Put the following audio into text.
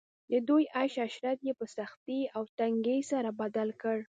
د دوی عيش عشرت ئي په سختۍ او تنګۍ سره بدل کړ